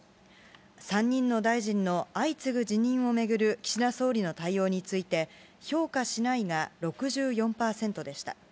３人の大臣の相次ぐ辞任を巡る岸田総理の対応について、評価しないが６４％でした。